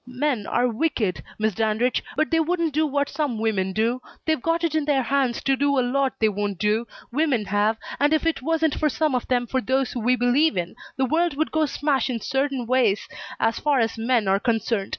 "Men are wicked, Miss Dandridge, but they wouldn't do what some women do. They've got it in their hands to do a lot they don't do women have and if it wasn't for some of them, for those we believe in, the world would go smash in certain ways as far as men are concerned.